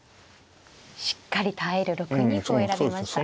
しっかり耐える６二歩を選びました。